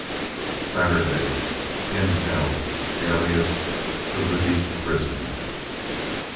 Saturday. In hell, alias the Libby prison.